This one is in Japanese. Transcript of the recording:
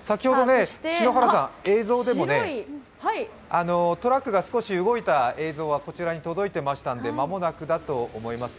先ほど、トラックが少し動いた映像がこちらに届いてましたんで間もなくだと思いますね。